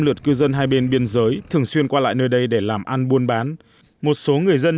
lượt cư dân hai bên biên giới thường xuyên qua lại nơi đây để làm ăn buôn bán một số người dân